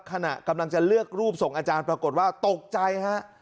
ขณะกำลังจะเลือกรูปส่งอาจารย์ปรากฏว่าตกใจฮะ